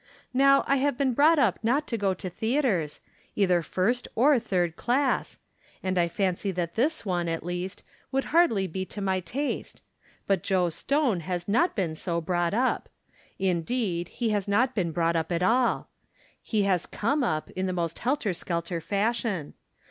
Now, I have been brought up not to go to the atres, either first or third class, and I fancy that this one, at least, would hardly be to my taste, but Joe Stone has not been so brought up ; in deed, he has not been brought up at all. He has come up, in the most helter skelter fashion.